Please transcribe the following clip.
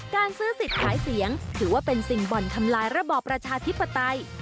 การซื้อสิทธิ์ขายเสียงถือว่าเป็นสิ่งบ่อนทำลายระบอบประชาธิปไตย